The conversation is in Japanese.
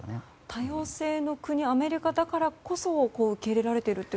多様性の国アメリカだからこそ受け入れられていると。